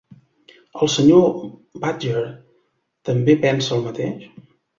El Sr. Badger també pensa el mateix?